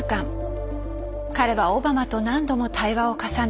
彼はオバマと何度も対話を重ね